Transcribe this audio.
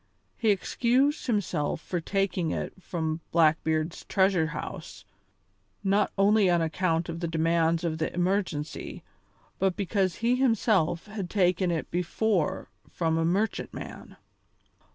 He excused himself for taking it from Blackbeard's treasure house, not only on account of the demands of the emergency, but because he himself had taken it before from a merchantman.